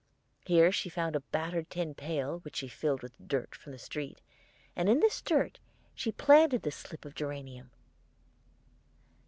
Here she found a battered tin pail, which she filled with dirt from the street, and in this dirt she planted the slip of geranium.